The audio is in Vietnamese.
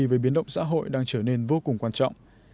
về biến động xã hội đang trở nên vô cùng quan trọng